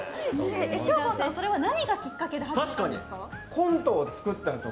ショーゴさん、それは何がきっかけで始めたんですか？